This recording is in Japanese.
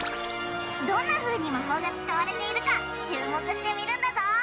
どんなふうに魔法が使われているか注目して見るんだぞ！